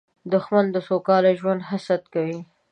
دښمن د سوکاله ژوند حسد کوي